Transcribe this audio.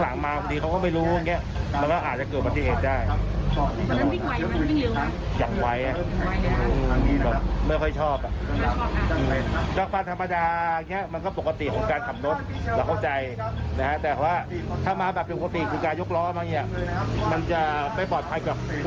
ถ้ามาแบบปกติการยกล้อมันจะไม่ปลอดภัยกับผู้ร่วมเดินทางด้วย